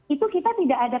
itu kita tidak ada